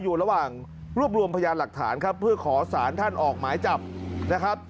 อยู่ระหว่างรวบรวมพยานหลักฐานครับเพื่อขอสารท่านออกหมายจับนะครับ